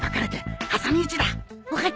は？